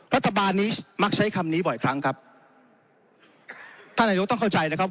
รัฐบาลนี้มักใช้คำนี้บ่อยครั้งครับท่านนายกต้องเข้าใจนะครับ